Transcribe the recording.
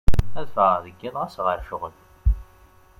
Ad fɣeɣ deg yiḍ ɣas ɣer cɣel.